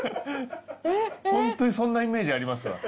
ホントにそんなイメージあります。